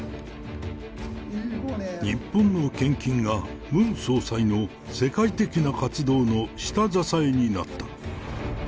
日本の献金がムン総裁の世界的な活動の下支えになった。